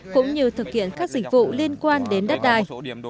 cũng như thực hiện các dịch vụ liên quan đến đất đai